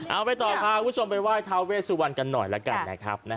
เอาไปต่อพาคุณผู้ชมไปไหว้ทาเวสุวรรณกันหน่อยแล้วกันนะครับ